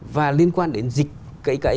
và liên quan đến dịch